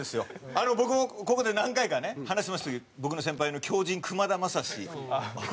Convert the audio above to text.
あの僕もここで何回かね話しましたけど僕の先輩の狂人くまだまさし。